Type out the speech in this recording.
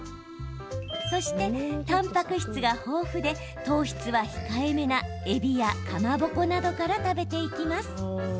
そして、たんぱく質が豊富で糖質は控えめなえびや、かまぼこなどから食べていきます。